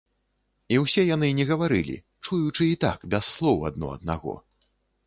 І ўсе яны не гаварылі, чуючы і так, без слоў адно аднаго.